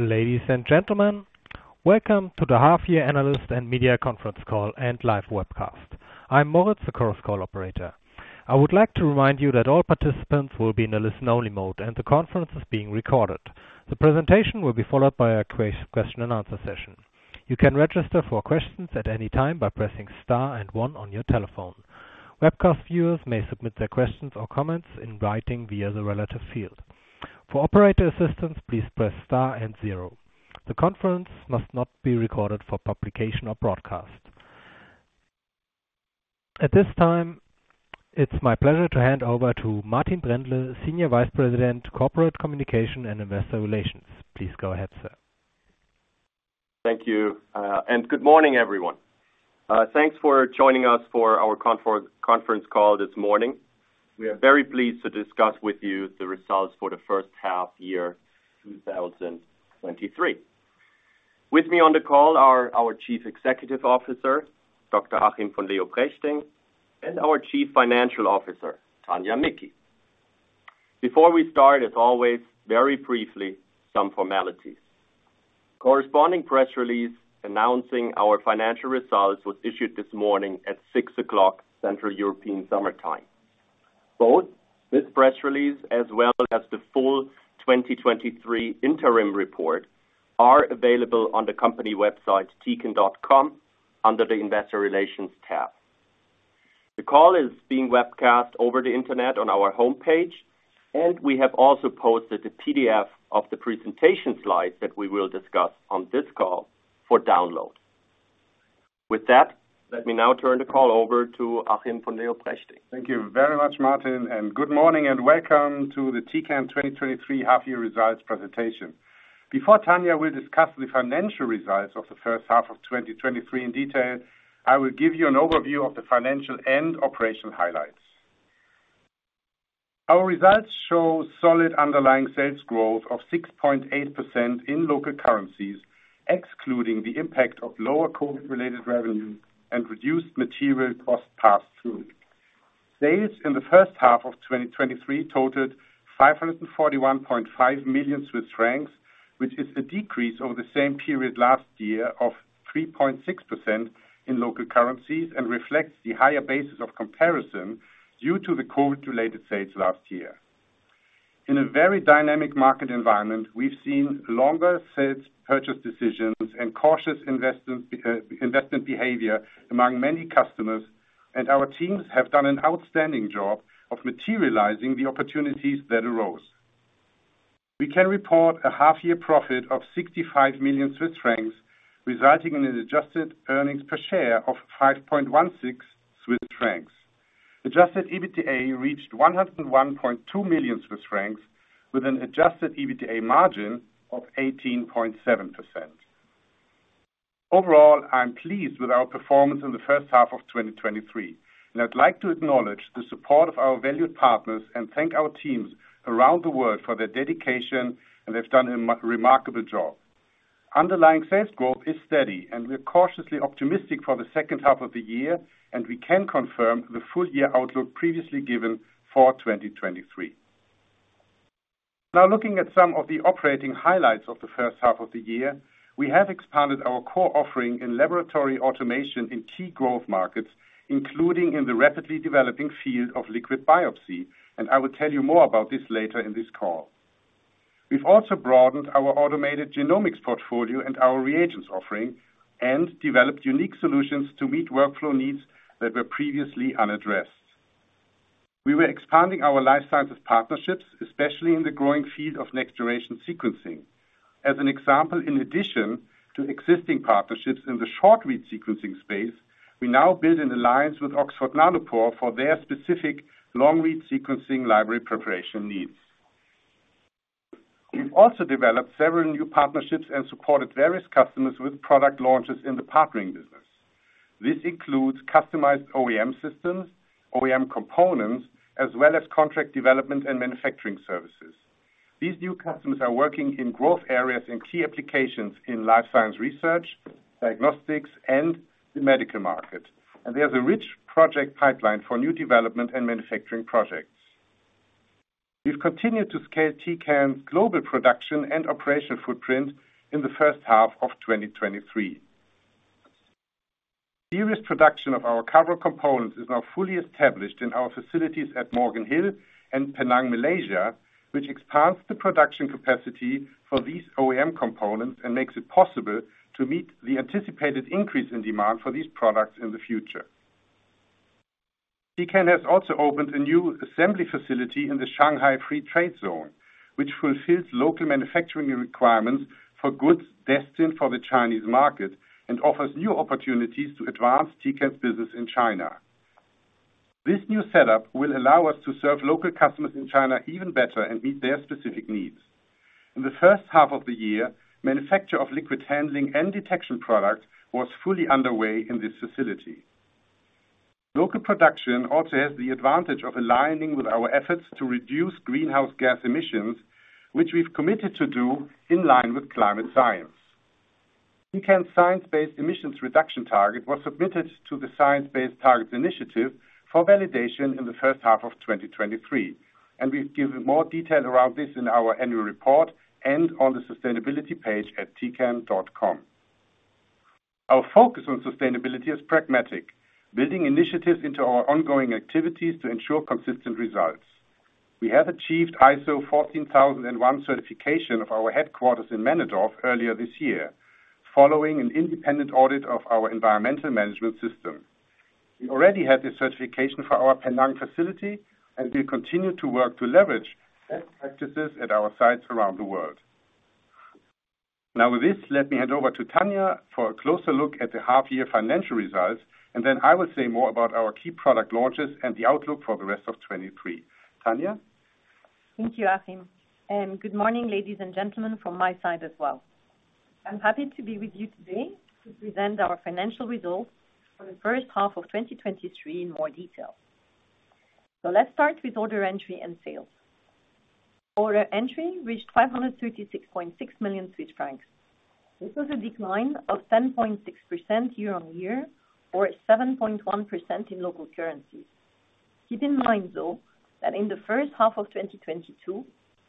Ladies and gentlemen, welcome to the half year analyst and media conference call and live webcast. I'm Moritz, the conference call operator. I would like to remind you that all participants will be in a listen-only mode, and the conference is being recorded. The presentation will be followed by a question and answer session. You can register for questions at any time by pressing star and one on your telephone. Webcast viewers may submit their questions or comments in writing via the relative field. For operator assistance, please press star and zero. The conference must not be recorded for publication or broadcast. At this time, it's my pleasure to hand over to Martin Brändle, Senior Vice President, Corporate Communications and Investor Relations. Please go ahead, sir. Thank you, and good morning, everyone. Thanks for joining us for our conference call this morning. We are very pleased to discuss with you the results for the first half year, 2023. With me on the call are our Chief Executive Officer, Dr. Achim von Leoprechting, and our Chief Financial Officer, Tania Micki. Before we start, as always, very briefly, some formalities. Corresponding press release announcing our financial results was issued this morning at 6:00, Central European Summer Time. Both this press release, as well as the full 2023 interim report, are available on the company website, tecan.com, under the Investor Relations tab. The call is being webcast over the internet on our homepage, we have also posted a PDF of the presentation slides that we will discuss on this call for download. With that, let me now turn the call over to Achim von Leoprechting. Thank you very much, Martin, and good morning, and welcome to the Tecan 2023 Half Year Results Presentation. Before Tania will discuss the financial results of the first half of 2023 in detail, I will give you an overview of the financial and operational highlights. Our results show solid underlying sales growth of 6.8% in local currencies, excluding the impact of lower COVID-related revenue and reduced material cost pass-through. Sales in the first half of 2023 totaled 541.5 million Swiss francs, which is a decrease over the same period last year of 3.6% in local currencies, and reflects the higher basis of comparison due to the COVID-related sales last year. In a very dynamic market environment, we've seen longer sales purchase decisions and cautious investment behavior among many customers. Our teams have done an outstanding job of materializing the opportunities that arose. We can report a half-year profit of 65 million Swiss francs, resulting in an Adjusted EPS of 5.16 Swiss francs. Adjusted EBITDA reached 101.2 million Swiss francs, with an adjusted EBITDA margin of 18.7%. Overall, I'm pleased with our performance in the first half of 2023. I'd like to acknowledge the support of our valued partners and thank our teams around the world for their dedication. They've done a remarkable job. Underlying sales growth is steady, and we're cautiously optimistic for the second half of the year, and we can confirm the full year outlook previously given for 2023. Looking at some of the operating highlights of the first half of the year, we have expanded our core offering in laboratory automation in key growth markets, including in the rapidly developing field of liquid biopsy, and I will tell you more about this later in this call. We've also broadened our automated genomics portfolio and our reagents offering, and developed unique solutions to meet workflow needs that were previously unaddressed. We were expanding our life sciences partnerships, especially in the growing field of next-generation sequencing. As an example, in addition to existing partnerships in the short-read sequencing space, we now build an alliance with Oxford Nanopore for their specific long-read sequencing library preparation needs. We've also developed several new partnerships and supported various customers with product launches in the partnering business. This includes customized OEM systems, OEM components, as well as contract development and manufacturing services. These new customers are working in growth areas and key applications in life science research, diagnostics, and the medical market, and we have a rich project pipeline for new development and manufacturing projects. We've continued to scale Tecan's global production and operational footprint in the first half of 2023. Serious production of our Cavro components is now fully established in our facilities at Morgan Hill and Penang, Malaysia, which expands the production capacity for these OEM components and makes it possible to meet the anticipated increase in demand for these products in the future. Tecan has also opened a new assembly facility in the Shanghai Free Trade Zone, which fulfills local manufacturing requirements for goods destined for the Chinese market and offers new opportunities to advance Tecan's business in China. This new setup will allow us to serve local customers in China even better and meet their specific needs. In the first half of the year, manufacture of liquid handling and detection products was fully underway in this facility. Local production also has the advantage of aligning with our efforts to reduce greenhouse gas emissions, which we've committed to do in line with climate science. Tecan's science-based emissions reduction target was submitted to the Science Based Targets initiative for validation in the first half of 2023, and we've given more detail around this in our annual report and on the sustainability page at tecan.com. Our focus on sustainability is pragmatic, building initiatives into our ongoing activities to ensure consistent results. We have achieved ISO 14001 certification of our headquarters in Männedorf earlier this year, following an independent audit of our environmental management system. We already have this certification for our Penang facility, and we continue to work to leverage best practices at our sites around the world. With this, let me hand over to Tania for a closer look at the half-year financial results, and then I will say more about our key product launches and the outlook for the rest of 2023. Tania? Thank you, Achim, and good morning, ladies and gentlemen, from my side as well. Let's start with order entry and sales. Order entry reached 536.6 million Swiss francs. This was a decline of 10.6% year-on-year, or 7.1% in local currencies. Keep in mind, though, that in the first half of 2022,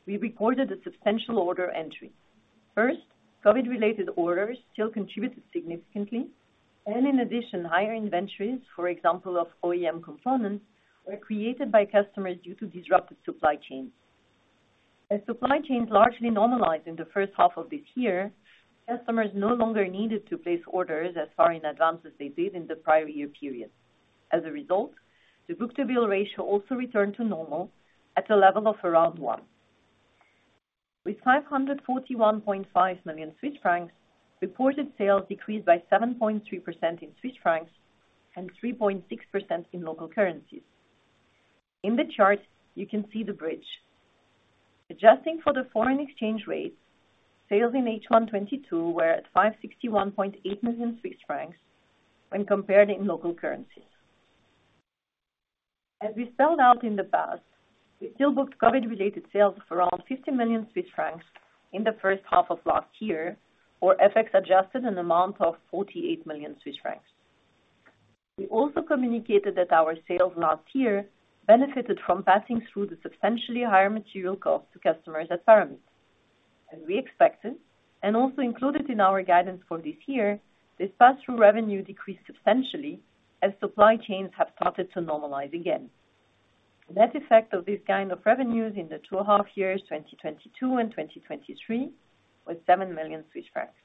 we recorded a substantial order entry. First, COVID-related orders still contributed significantly, and in addition, higher inventories, for example, of OEM components, were created by customers due to disrupted supply chains. As supply chains largely normalized in the first half of this year, customers no longer needed to place orders as far in advance as they did in the prior year period. As a result, the book-to-bill ratio also returned to normal at a level of around one. With 541.5 million Swiss francs, reported sales decreased by 7.3% in Swiss francs and 3.6% in local currencies. In the chart, you can see the bridge. Adjusting for the foreign exchange rate, sales in H1 2022 were at 561.8 million Swiss francs when compared in local currencies. As we spelled out in the past, we still booked COVID-related sales of around 50 million Swiss francs in the first half of 2021, or FX-adjusted an amount of 48 million Swiss francs. We also communicated that our sales 2021 benefited from passing through the substantially higher material cost to customers at Paramit. As we expected, and also included in our guidance for this year, this pass-through revenue decreased substantially as supply chains have started to normalize again. Net effect of this kind of revenues in the 2 half years, 2022 and 2023, was 7 million Swiss francs.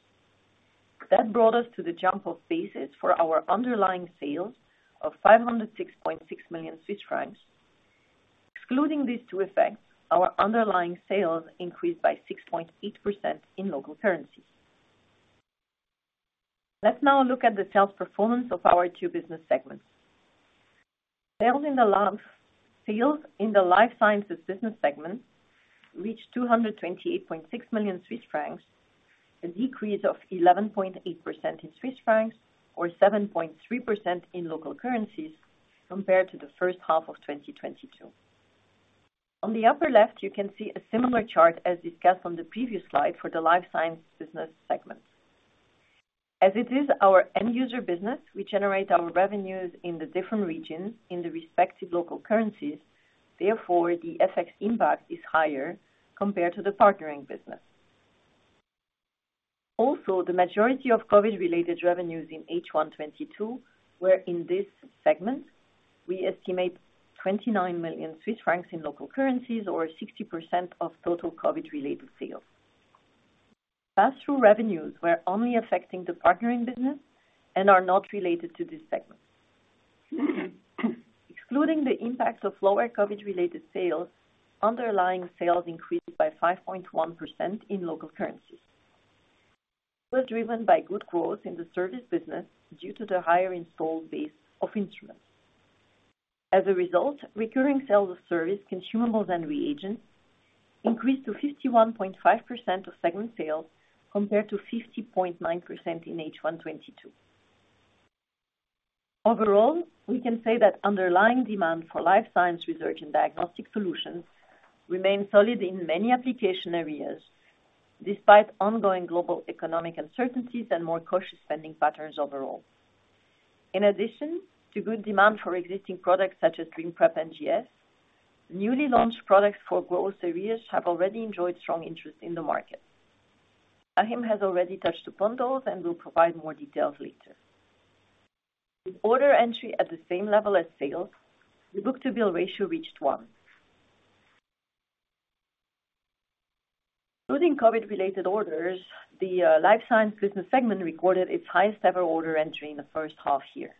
That brought us to the jump of basis for our underlying sales of 506.6 million Swiss francs. Excluding these 2 effects, our underlying sales increased by 6.8% in local currency. Let's now look at the sales performance of our two business segments. Sales in the Life Sciences business segment reached 228.6 million Swiss francs, a decrease of 11.8% in CHF or 7.3% in local currencies compared to the H1 of 2022. On the upper left, you can see a similar chart as discussed on the previous slide for the Life Sciences business segment. As it is our end-user business, we generate our revenues in the different regions in the respective local currencies. Therefore, the FX impact is higher compared to the partnering business. Also, the majority of COVID-related revenues in H1 2022 were in this segment. We estimate 29 million Swiss francs in local currencies, or 60% of total COVID-related sales. Pass-through revenues were only affecting the partnering business and are not related to this segment. Excluding the impact of lower COVID-related sales, underlying sales increased by 5.1% in local currencies. It was driven by good growth in the service business due to the higher installed base of instruments. As a result, recurring sales of service, consumables, and reagents increased to 51.5% of segment sales, compared to 50.9% in H1 2022. Overall, we can say that underlying demand for life science research and diagnostic solutions remains solid in many application areas, despite ongoing global economic uncertainties and more cautious spending patterns overall. In addition to good demand for existing products such as DreamPrep NGS, newly launched products for growth areas have already enjoyed strong interest in the market. Achim has already touched upon those and will provide more details later. With order entry at the same level as sales, the book-to-bill ratio reached one. Including COVID-related orders, the Life Sciences business segment recorded its highest ever order entry in the first half year.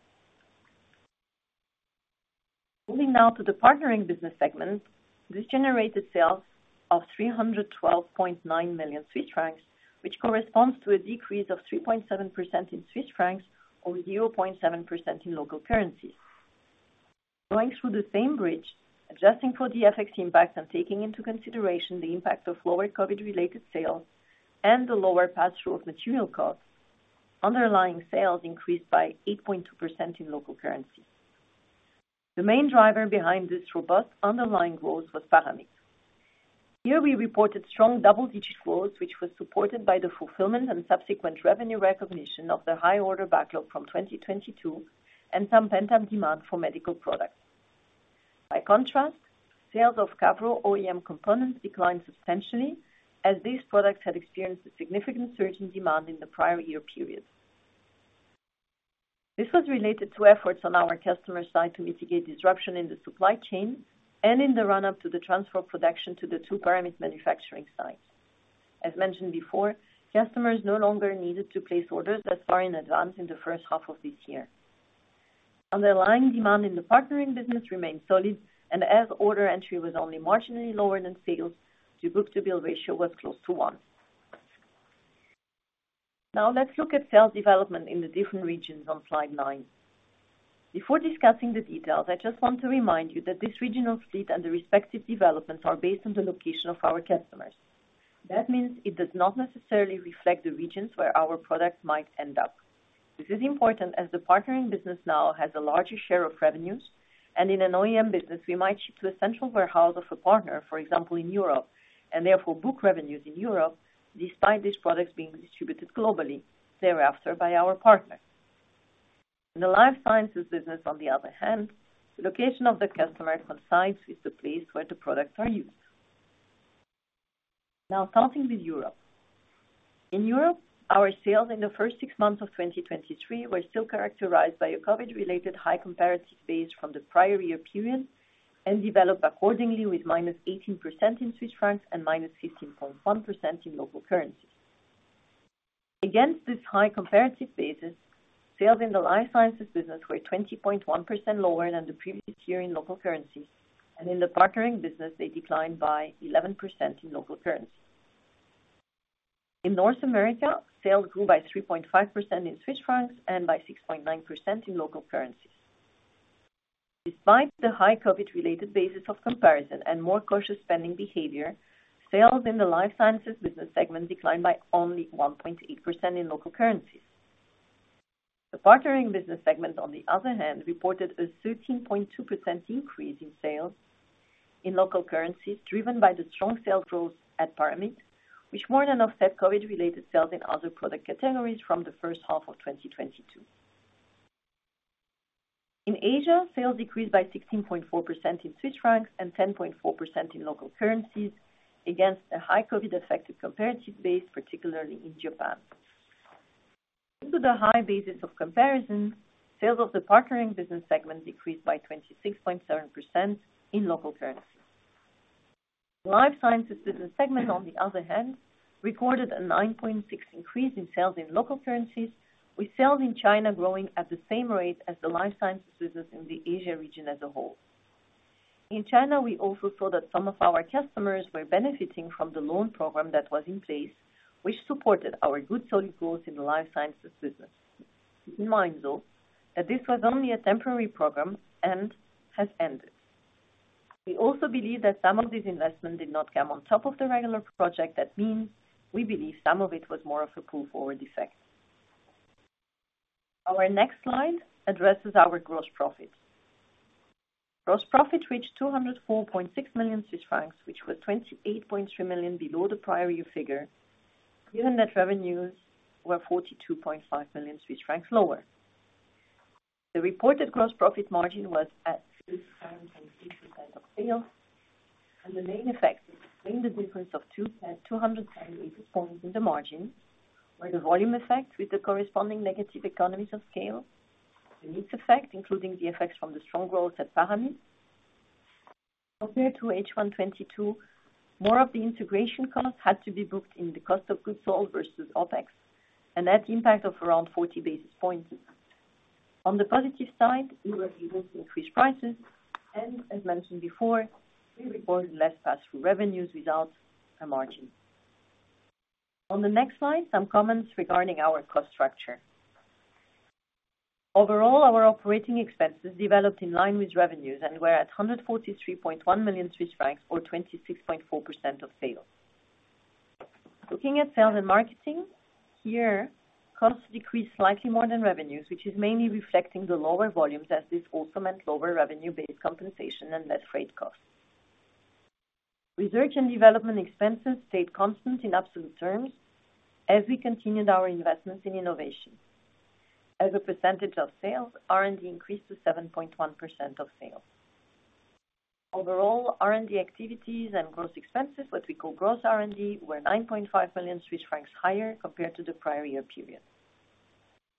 Moving now to the Partnering business segment. This generated sales of 312.9 million Swiss francs, which corresponds to a decrease of 3.7% in Swiss francs or 0.7% in local currencies. Going through the same bridge, adjusting for the FX impact and taking into consideration the impact of lower COVID-related sales and the lower pass-through of material costs, underlying sales increased by 8.2% in local currency. The main driver behind this robust underlying growth was Paramit. Here, we reported strong double-digit growth, which was supported by the fulfillment and subsequent revenue recognition of the high order backlog from 2022, and some pent-up demand for medical products. By contrast, sales of Cavro OEM components declined substantially as these products had experienced a significant surge in demand in the prior year period. This was related to efforts on our customer side to mitigate disruption in the supply chain and in the run-up to the transfer of production to the two Paramit manufacturing sites. As mentioned before, customers no longer needed to place orders that far in advance in the first half of this year. Underlying demand in the Partnering business remained solid, and as order entry was only marginally lower than sales, the book-to-bill ratio was close to one. Now let's look at sales development in the different regions on slide nine. Before discussing the details, I just want to remind you that this regional split and the respective developments are based on the location of our customers. That means it does not necessarily reflect the regions where our products might end up. This is important as the Partnering business now has a larger share of revenues. In an OEM business, we might ship to a central warehouse of a partner, for example, in Europe, and therefore book revenues in Europe, despite these products being distributed globally, thereafter by our partner. In the life sciences business, on the other hand, the location of the customer on site is the place where the products are used. Starting with Europe. In Europe, our sales in the first six months of 2023 were still characterized by a COVID-related high comparative base from the prior year period, developed accordingly with -18% in CHF and -15.1% in local currency. Against this high comparative basis, sales in the life sciences business were 20.1% lower than the previous year in local currency, and in the Partnering business, they declined by 11% in local currency. In North America, sales grew by 3.5% in CHF and by 6.9% in local currencies. Despite the high COVID-related basis of comparison and more cautious spending behavior, sales in the Life Sciences business segment declined by only 1.8% in local currencies. The Partnering business segment, on the other hand, reported a 13.2% increase in sales in local currencies, driven by the strong sales growth at Paramit, which more than offset COVID-related sales in other product categories from the first half of 2022. In Asia, sales decreased by 16.4% in CHF and 10.4% in local currencies, against a high COVID-affected comparative base, particularly in Japan. Due to the high basis of comparison, sales of the Partnering business segment decreased by 26.7% in local currency. Life Sciences business segment, on the other hand, recorded a 9.6% increase in sales in local currencies, with sales in China growing at the same rate as the life sciences business in the Asia region as a whole. In China, we also saw that some of our customers were benefiting from the loan program that was in place, which supported our good, solid growth in the life sciences business. Keep in mind, though, that this was only a temporary program and has ended. We also believe that some of this investment did not come on top of the regular project. That means we believe some of it was more of a pull-forward effect. Our next slide addresses our gross profit. Gross profit reached 204.6 million Swiss francs, which was 28.3 million below the prior year figure, given that revenues were 42.5 million Swiss francs lower. The reported gross profit margin was at 6.8% of sales, and the main effect between the difference of 2.278 points in the margin, were the volume effect with the corresponding negative economies of scale. The mix effect, including the effects from the strong growth at Paramit. Compared to H1 2022, more of the integration costs had to be booked in the cost of goods sold versus OpEx. That impact of around 40 basis points. On the positive side, we were able to increase prices, and as mentioned before, we reported less pass-through revenues without a margin. On the next slide, some comments regarding our cost structure. Overall, our operating expenses developed in line with revenues and were at 143.1 million Swiss francs or 26.4% of sales. Looking at sales and marketing, here, costs decreased slightly more than revenues, which is mainly reflecting the lower volumes, as this also meant lower revenue-based compensation and less freight costs. Research and development expenses stayed constant in absolute terms as we continued our investments in innovation. As a percentage of sales, R&D increased to 7.1% of sales. Overall, R&D activities and gross expenses, what we call gross R&D, were 9.5 million Swiss francs higher compared to the prior year period.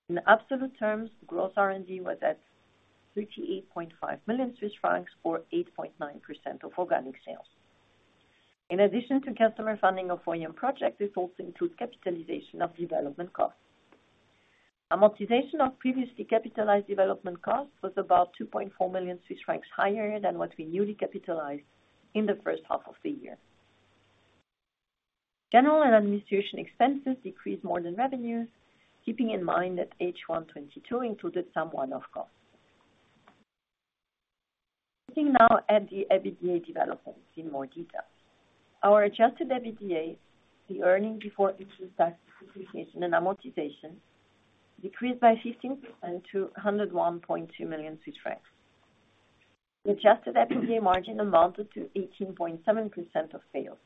In absolute terms, gross R&D was at 38.5 million Swiss francs or 8.9% of organic sales. In addition to customer funding of OEM projects, this also includes capitalization of development costs. Amortization of previously capitalized development costs was about 2.4 million Swiss francs higher than what we newly capitalized in the first half of the year. General and administration expenses decreased more than revenues, keeping in mind that H1 2022 included some one-off costs. Looking now at the EBITDA developments in more detail. Our adjusted EBITDA, the earnings before interest, taxes, depreciation, and amortization, decreased by 15% to 101.2 million francs. The adjusted EBITDA margin amounted to 18.7% of sales.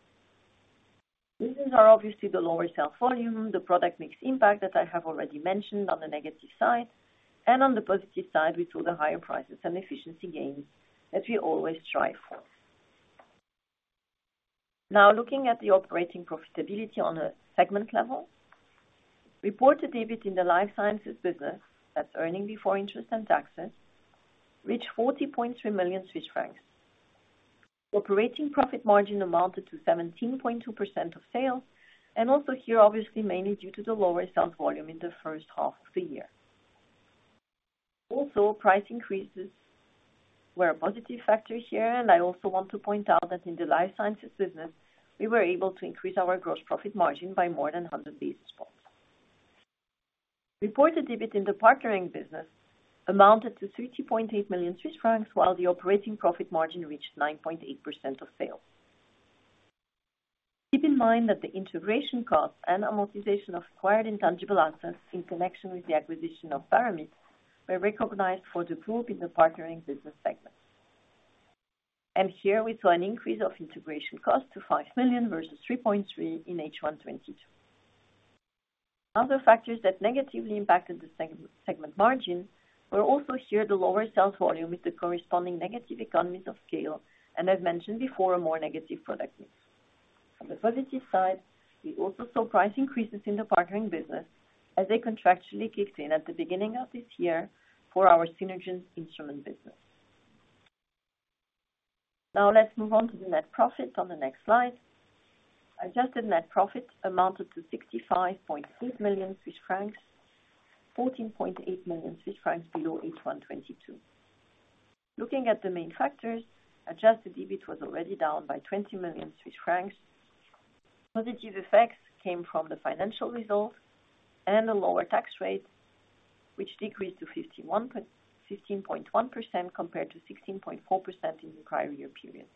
Reasons are obviously the lower sales volume, the product mix impact that I have already mentioned on the negative side, and on the positive side, we saw the higher prices and efficiency gains that we always strive for. Now, looking at the operating profitability on a segment level, reported EBIT in the Life Sciences business, that's earning before interest and taxes, reached 40.3 million Swiss francs. The operating profit margin amounted to 17.2% of sales, also here, obviously, mainly due to the lower sales volume in the first half of the year. Also, price increases were a positive factor here, and I also want to point out that in the Life Sciences business, we were able to increase our gross profit margin by more than 100 basis points. Reported EBIT in the Partnering business amounted to 30.8 million Swiss francs, while the operating profit margin reached 9.8% of sales. Keep in mind that the integration costs and amortization of acquired intangible assets in connection with the acquisition of Paramit were recognized for the group in the Partnering business segment. Here we saw an increase of integration costs to 5 million versus 3.3 million in H1 2022. Other factors that negatively impacted the segment margin were also here, the lower sales volume with the corresponding negative economies of scale, and I've mentioned before, a more negative product mix. On the positive side, we also saw price increases in the Partnering business as they contractually kicked in at the beginning of this year for our Synergence instrument business. Let's move on to the net profit on the next slide. Adjusted net profit amounted to 65.8 million Swiss francs, 14.8 million Swiss francs below H1 2022. Looking at the main factors, adjusted EBIT was already down by 20 million Swiss francs. Positive effects came from the financial results and the lower tax rate, which decreased to 15.1% compared to 16.4% in the prior year period.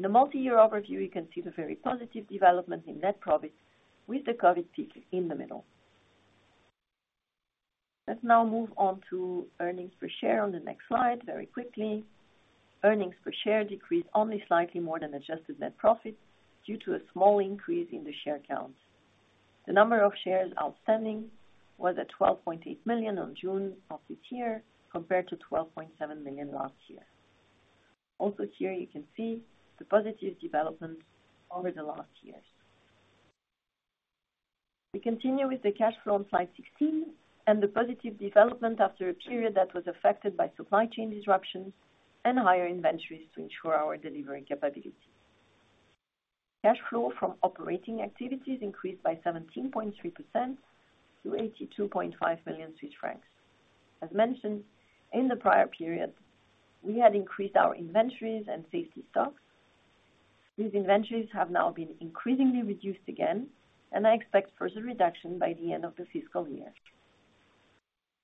In the multi-year overview, you can see the very positive development in net profit with the COVID peak in the middle. Let's now move on to earnings per share on the next slide, very quickly. Earnings per share decreased only slightly more than adjusted net profit due to a small increase in the share count. The number of shares outstanding was at 12.8 million on June of this year, compared to 12.7 million last year. Also here, you can see the positive development over the last years. We continue with the cash flow on slide 16 and the positive development after a period that was affected by supply chain disruptions and higher inventories to ensure our delivery capability. Cash flow from operating activities increased by 17.3% to 82.5 million Swiss francs. As mentioned, in the prior period, we had increased our inventories and safety stocks. These inventories have now been increasingly reduced again, and I expect further reduction by the end of the fiscal year.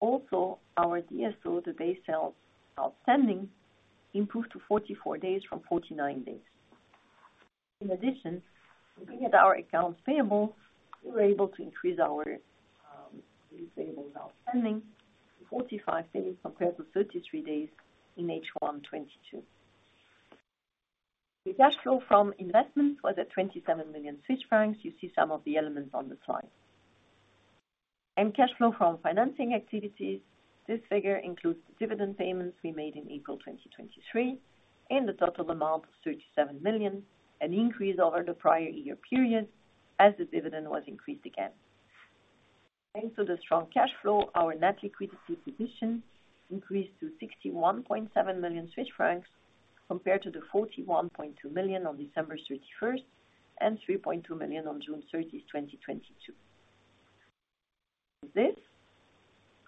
Also, our DSO, the day sales outstanding, improved to 44 days from 49 days. In addition, looking at our accounts payable, we were able to increase our receivables outstanding to 45 days compared to 33 days in H1 2022. The cash flow from investment was at 27 million Swiss francs. You see some of the elements on the slide. Cash flow from financing activities, this figure includes the dividend payments we made in April 2023, in the total amount of 37 million, an increase over the prior year period as the dividend was increased again. Thanks to the strong cash flow, our net liquidity position increased to 61.7 million Swiss francs, compared to the 41.2 million on December 31st, and 3.2 million on June 30th, 2022. With this,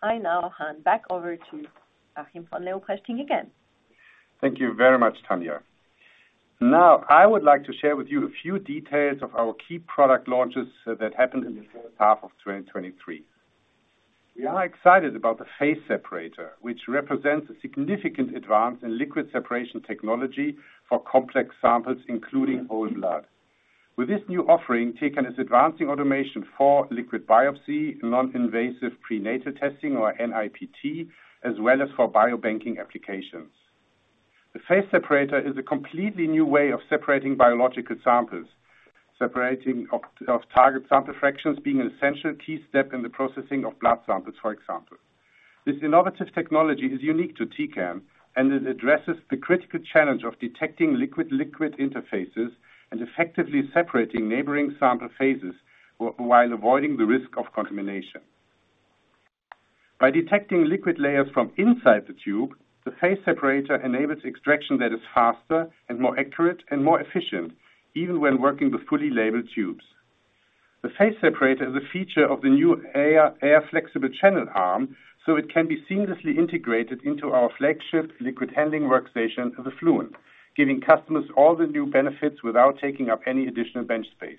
I now hand back over to Achim von Leoprechting again. Thank you very much, Tania. I would like to share with you a few details of our key product launches that happened in the first half of 2023. We are excited about the Phase Separator, which represents a significant advance in liquid separation technology for complex samples, including whole blood. With this new offering, Tecan is advancing automation for liquid biopsy, non-invasive prenatal testing or NIPT, as well as for biobanking applications. The Phase Separator is a completely new way of separating biological samples, separating of target sample fractions being an essential key step in the processing of blood samples, for example. This innovative technology is unique to Tecan, and it addresses the critical challenge of detecting liquid-liquid interfaces and effectively separating neighboring sample phases, while avoiding the risk of contamination. By detecting liquid layers from inside the tube, the Phase Separator enables extraction that is faster and more accurate and more efficient, even when working with fully labeled tubes. The Phase Separator is a feature of the new Air Flexible Channel Arm, so it can be seamlessly integrated into our flagship liquid handling workstation, the Fluent, giving customers all the new benefits without taking up any additional bench space.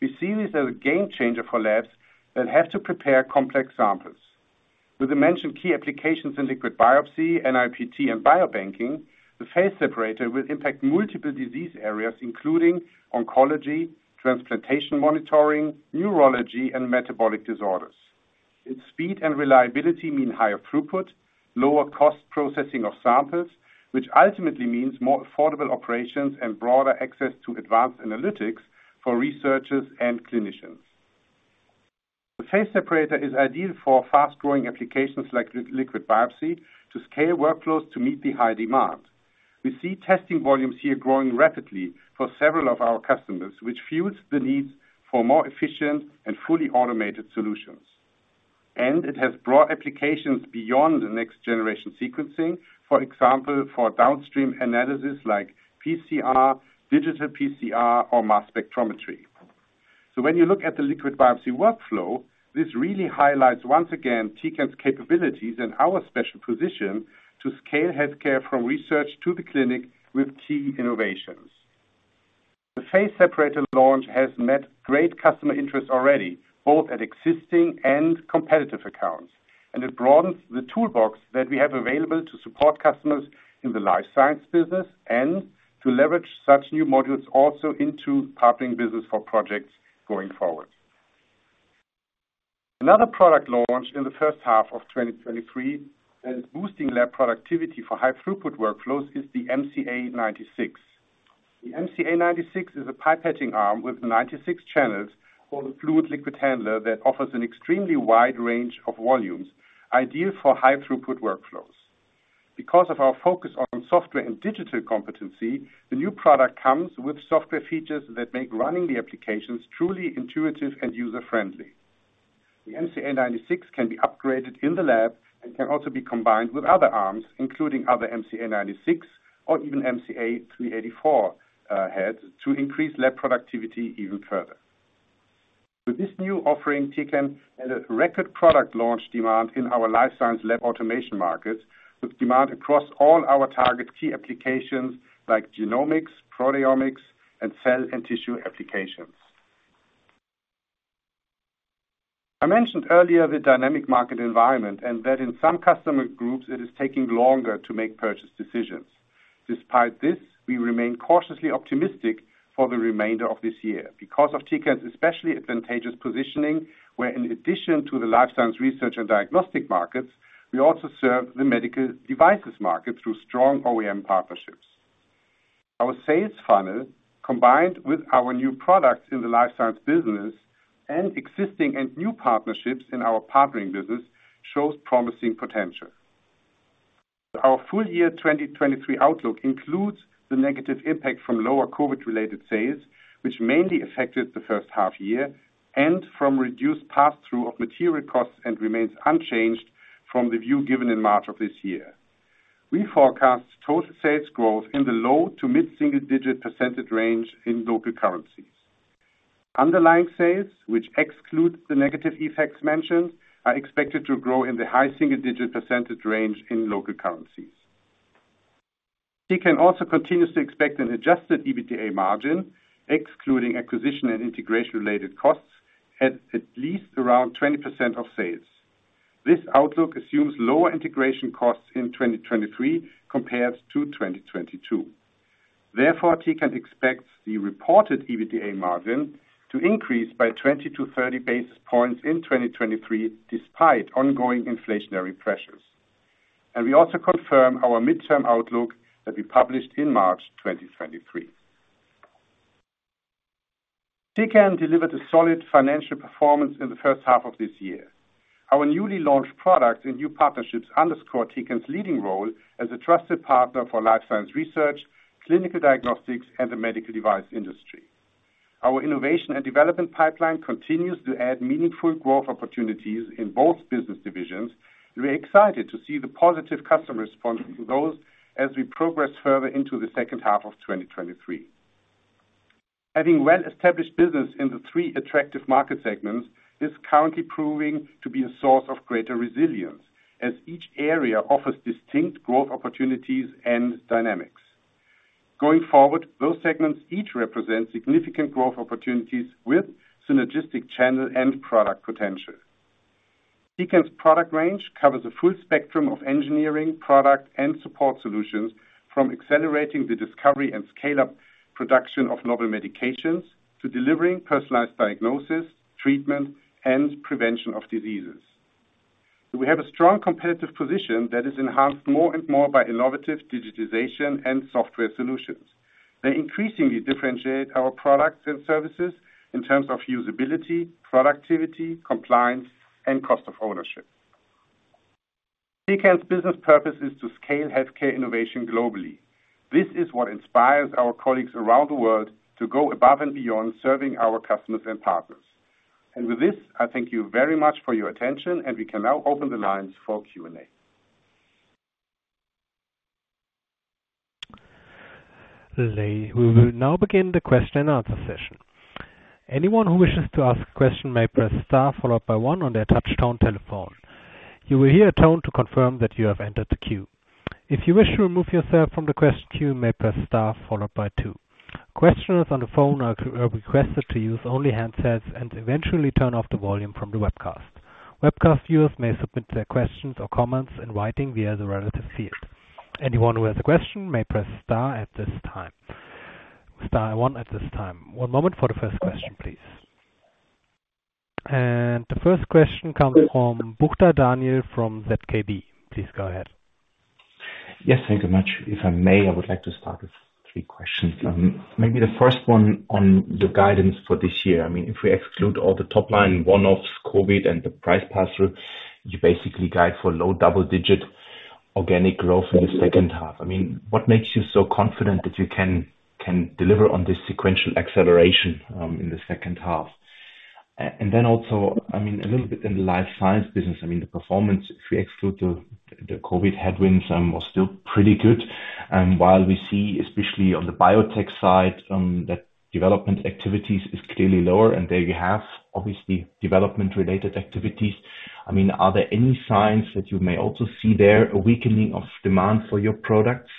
We see this as a game-changer for labs that have to prepare complex samples. With the mentioned key applications in liquid biopsy, NIPT, and biobanking, the Phase Separator will impact multiple disease areas, including oncology, transplantation monitoring, neurology, and metabolic disorders. Its speed and reliability mean higher throughput, lower cost processing of samples, which ultimately means more affordable operations and broader access to advanced analytics for researchers and clinicians. The Phase Separator is ideal for fast-growing applications like liquid biopsy, to scale workflows to meet the high demand. We see testing volumes here growing rapidly for several of our customers, which fuels the need for more efficient and fully automated solutions. It has broad applications beyond the next-generation sequencing, for example, for downstream analysis like PCR, digital PCR, or mass spectrometry. When you look at the liquid biopsy workflow, this really highlights once again, Tecan's capabilities and our special position to scale healthcare from research to the clinic with key innovations. The Phase Separator launch has met great customer interest already, both at existing and competitive accounts, and it broadens the toolbox that we have available to support customers in the Life Science business and to leverage such new modules also into Partnering business for projects going forward. Another product launched in the first half of 2023, and is boosting lab productivity for high-throughput workflows, is the MCA 96. The MCA 96 is a pipetting arm with 96 channels, or a fluid liquid handler that offers an extremely wide range of volumes, ideal for high-throughput workflows. Because of our focus on software and digital competency, the new product comes with software features that make running the applications truly intuitive and user-friendly. The MCA 96 can be upgraded in the lab and can also be combined with other arms, including other MCA 96 or even MCA 384 heads, to increase lab productivity even further. With this new offering, Tecan had a record product launch demand in our Life Science Lab Automation Markets, with demand across all our target key applications like genomics, proteomics, and cell and tissue applications. I mentioned earlier the dynamic market environment, that in some customer groups, it is taking longer to make purchase decisions. Despite this, we remain cautiously optimistic for the remainder of this year because of Tecan's especially advantageous positioning, where in addition to the life science, research, and diagnostic markets, we also serve the medical devices market through strong OEM partnerships. Our sales funnel, combined with our new products in the Life Science business and existing and new partnerships in our Partnering business, shows promising potential. Our full year 2023 outlook includes the negative impact from lower COVID-related sales, which mainly affected the first half year, and from reduced pass-through of material costs and remains unchanged from the view given in March of this year. We forecast total sales growth in the low to mid-single-digit % range in local currencies. Underlying sales, which excludes the negative effects mentioned, are expected to grow in the high-single-digit % range in local currencies. Tecan also continues to expect an adjusted EBITDA margin, excluding acquisition and integration-related costs, at least around 20% of sales. This outlook assumes lower integration costs in 2023 compared to 2022. Therefore, Tecan expects the reported EBITDA margin to increase by 20 basis points-30 basis points in 2023, despite ongoing inflationary pressures. We also confirm our midterm outlook that we published in March 2023. Tecan delivered a solid financial performance in the first half of this year. Our newly launched products and new partnerships underscore Tecan's leading role as a trusted partner for life science research, clinical diagnostics, and the medical device industry. Our innovation and development pipeline continues to add meaningful growth opportunities in both business divisions, and we're excited to see the positive customer response to those as we progress further into the second half of 2023. Having well-established business in the three attractive market segments is currently proving to be a source of greater resilience, as each area offers distinct growth opportunities and dynamics. Going forward, those segments each represent significant growth opportunities with synergistic channel and product potential. Tecan's product range covers a full spectrum of engineering, product, and support solutions, from accelerating the discovery and scale-up production of novel medications to delivering personalized diagnosis, treatment, and prevention of diseases. We have a strong competitive position that is enhanced more and more by innovative digitization and software solutions. They increasingly differentiate our products and services in terms of usability, productivity, compliance, and cost of ownership. Tecan's business purpose is to scale healthcare innovation globally. This is what inspires our colleagues around the world to go above and beyond serving our customers and partners. With this, I thank you very much for your attention, and we can now open the lines for Q&A. We will now begin the question and answer session. Anyone who wishes to ask a question may press star followed by one on their touch-tone telephone. You will hear a tone to confirm that you have entered the queue. If you wish to remove yourself from the question queue, you may press star followed by two. Questioners on the phone are requested to use only handsets and eventually turn off the volume from the webcast. Webcast viewers may submit their questions or comments in writing via the relative field. Anyone who has a question may press star at this time star one at this time. One moment for the first question, please. The first question comes from Daniel Buchta from ZKB. Please go ahead. Yes, thank you much. If I may, I would like to start with three questions. Maybe the first one on the guidance for this year. I mean, if we exclude all the top line one-offs, COVID, and the price pass-through, you basically guide for low double-digit organic growth in the second half. I mean, what makes you so confident that you can deliver on this sequential acceleration, in the second half? Then also, I mean, a little bit in the Life Science business, I mean, the performance, if we exclude the COVID headwinds, was still pretty good. While we see, especially on the biotech side, that development activities is clearly lower, and there you have obviously, development-related activities. I mean, are there any signs that you may also see there a weakening of demand for your products?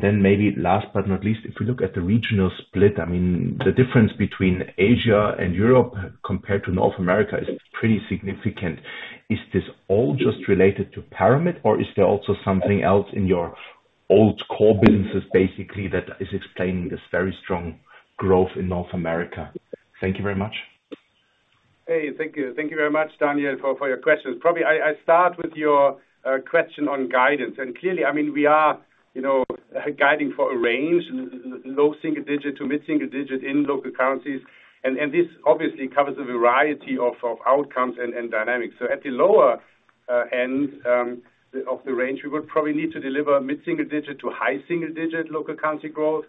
Then maybe last but not least, if we look at the regional split, I mean, the difference between Asia and Europe compared to North America is pretty significant. Is this all just related to Paramet, or is there also something else in your old core businesses, basically, that is explaining this very strong growth in North America? Thank you very much. Hey, thank you. Thank you very much, Daniel, for your questions. Probably I start with your question on guidance. Clearly, I mean, we are, you know, guiding for a range, low single-digit to mid single-digit in local currencies. This obviously covers a variety of outcomes and dynamics. At the lower end of the range, we would probably need to deliver mid single-digit to high single-digit local currency growth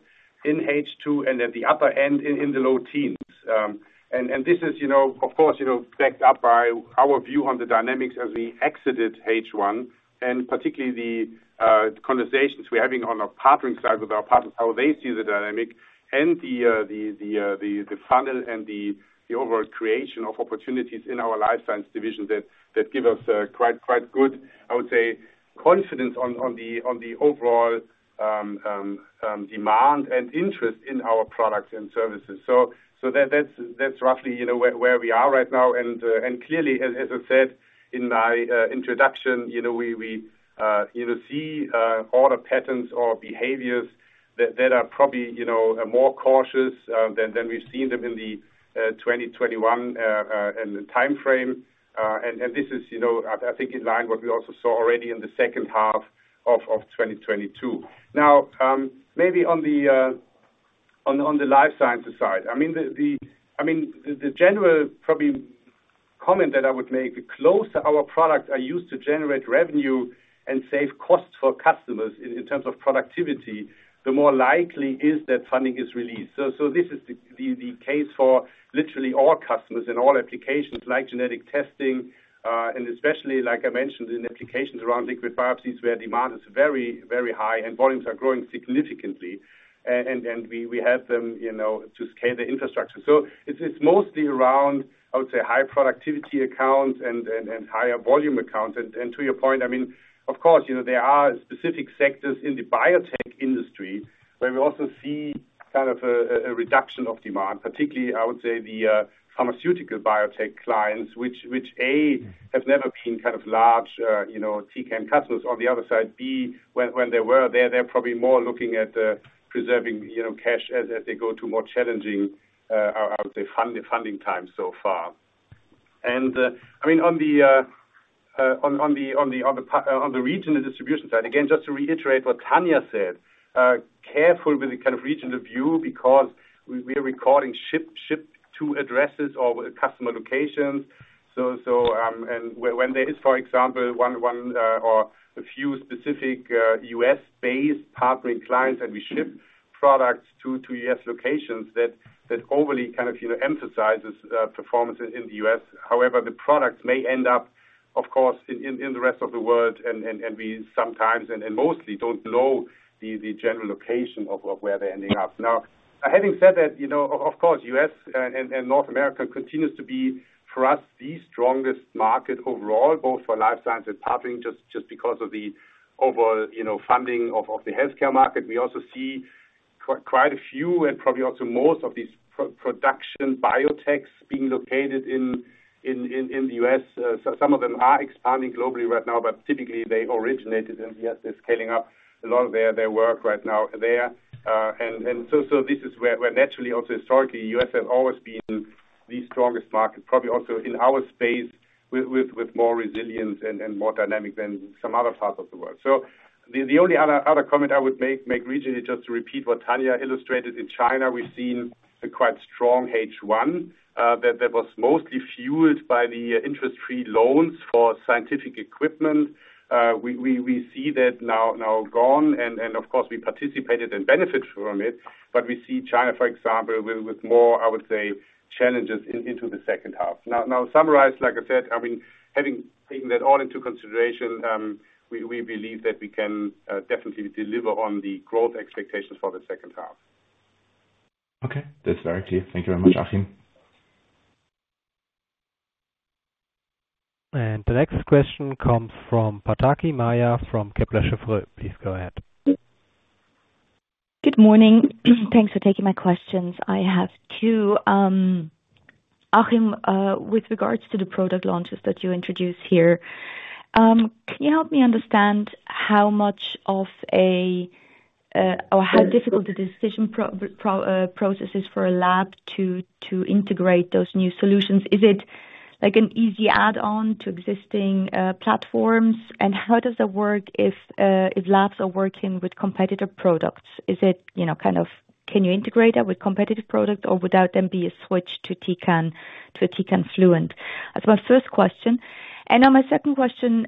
in H2, and at the upper end in the low teens. This is, you know, of course, you know, backed up by our view on the dynamics as we exited H1, and particularly the conversations we're having on our partnering side with our partners, how they see the dynamic and the funnel and the, the overall creation of opportunities in our Life Science Division that give us quite, quite good, I would say, confidence on the overall demand and interest in our products and services. That's roughly, you know, where we are right now. Clearly, as I said in my introduction, you know, we see order patterns or behaviors that are probably, you know, are more cautious than we've seen them in the 2021 in the time frame. This is, you know, I think, in line what we also saw already in the second half of 2022. Now, maybe on the on the Life Sciences side, I mean, the general probably comment that I would make, the closer our products are used to generate revenue and save costs for customers in terms of productivity, the more likely is that funding is released. This is the, the, the case for literally all customers in all applications like genetic testing, and especially like I mentioned, in applications around liquid biopsies, where demand is very, very high and volumes are growing significantly. We help them, you know, to scale their infrastructure. It's mostly around, I would say, high productivity accounts and higher volume accounts. To your point, I mean, of course, you know, there are specific sectors in the biotech industry where we also see kind of a reduction of demand, particularly, I would say, the pharmaceutical biotech clients, which A, have never been kind of large, you know, Tecan customers. On the other side, B, when, when they were probably more looking at, preserving, you know, cash as they go to more challenging, I would say, funding times so far. I mean, on the regional distribution side, again, just to reiterate what Tania said, careful with the kind of regional view because we are recording ship, ship to addresses or customer locations. When, when there is, for example, one or a few specific, U.S. based partnering clients, and we ship products to, to U.S. locations, that overly kind of, you know, emphasizes, performance in, in the U.S. However, the products may end up, of course, in the rest of the world, and we sometimes, and mostly don't know the general location of where they're ending up. Now, having said that, you know, of course, U.S., and North America continues to be, for us, the strongest market overall, both for life science and partnering, just, just because of the overall, you know, funding of the Healthcare market. We also see quite a few and probably also most of these production biotechs being located in, in, in, in the U.S. Some of them are expanding globally right now, but typically they originated in the U.S. They're scaling up a lot of their work right now there. So, so this is where naturally, also historically, U.S. has always been the strongest market, probably also in our space, with more resilience and more dynamic than some other parts of the world. The only other comment I would make, make regionally, just to repeat what Tania illustrated, in China, we've seen a quite strong H1, that was mostly fueled by the interest-free loans for scientific equipment. We, see that now, now gone, and of course, we participated and benefited from it. We see China, for example, with more, I would say, challenges into the seconhalf. Now, summarize, like I said, I mean, having taken that all into consideration, we believe that we can, definitely deliver on the growth expectations for the second half. Okay. That's very clear. Thank you very much, Achim. The next question comes from Pataki Maja from Kepler Cheuvreux. Please go ahead. Good morning. Thanks for taking my questions. I have two. Achim, with regards to the product launches that you introduced here, can you help me understand how much of a, or how difficult the decision process is for a lab to integrate those new solutions? Is it like an easy add-on to existing platforms? And how does that work if labs are working with competitor products? Is it, you know, kind of--can you integrate it with competitive products, or would that then be a switch to Tecan, to a Tecan Fluent? That's my first question. Now my second question,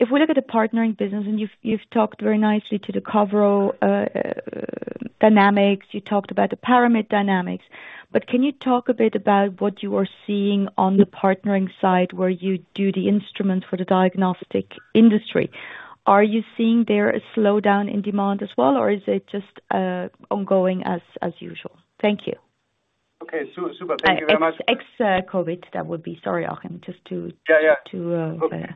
if we look at the Partnering business, and you've, you've talked very nicely to the Cavro dynamics, you talked about the Paramit dynamics, but can you talk a bit about what you are seeing on the partnering side, where you do the instruments for the Diagnostic industry? Are you seeing there a slowdown in demand as well, or is it just ongoing as usual? Thank you. Okay, super. Thank you very much. Ex-COVID, that would be. Sorry, Achim, just to-- Yeah, yeah.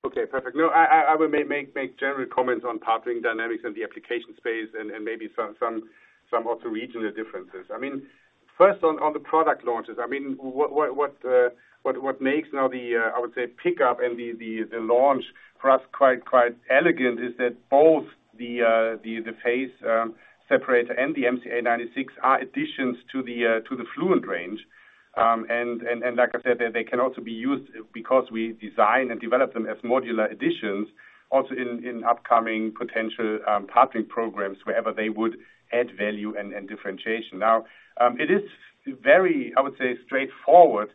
To, yeah. Okay, perfect. No, I will make general comments on partnering dynamics and the application space and maybe some of the regional differences. I mean, first on the product launches, I mean, what makes now the, I would say, pickup and the launch for us quite elegant is that both the Phase Separator and the MCA 96 are additions to the Fluent range. And like I said, they can also be used because we design and develop them as modular additions, also in upcoming potential partnering programs, wherever they would add value and differentiation. It is very, I would say, straightforward,